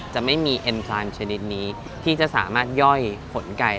จะไม่มีเอ็นคลานชนิดนี้ที่จะสามารถย่อยผลไก่